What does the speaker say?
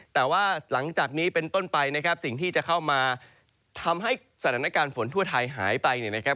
แต่ว่าหลังจากนี้เป็นต้นไปนะครับสิ่งที่จะเข้ามาทำให้สถานการณ์ฝนทั่วไทยหายไปเนี่ยนะครับ